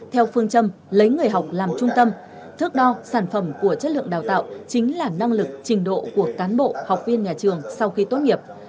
theo phương châm lấy người học làm trung tâm thước đo sản phẩm của chất lượng đào tạo chính là năng lực trình độ của cán bộ học viên nhà trường sau khi tốt nghiệp